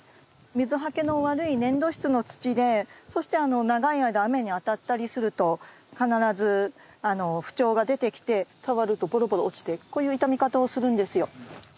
水はけの悪い粘土質の土でそして長い間雨に当たったりすると必ず不調が出てきて触るとポロポロ落ちてこういう傷み方をするんですよ。